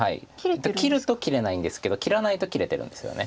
切ると切れないんですけど切らないと切れてるんですよね。